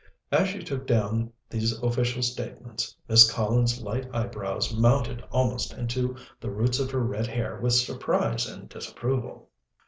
As she took down these official statements, Miss Collins's light eyebrows mounted almost into the roots of her red hair with surprise and disapproval.